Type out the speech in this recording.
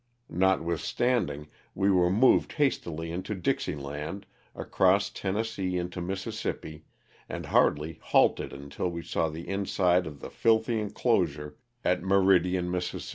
Not withstanding, we were moved hastily into Dixie land, across Tennessee into Mississippi, and hardly halted until wo saw the inside of the filthy enclosure at Meridian, Miss.